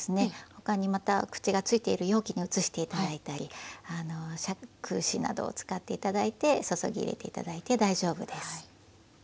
他にまた口がついている容器に移して頂いたりしゃくしなどを使って頂いて注ぎ入れて頂いて大丈夫です。